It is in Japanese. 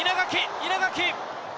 稲垣！